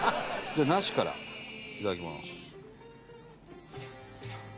じゃあなしからいただきます。